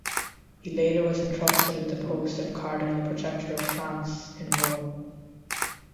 He later was entrusted with the post of Cardinal Protector of France in Rome.